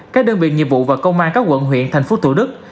các đơn vị nhiệm vụ và công an các quận huyện tp thủ đức